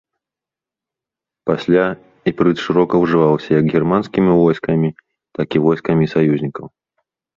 Пасля іпрыт шырока ўжываўся як германскімі войскамі, так і войскамі саюзнікаў.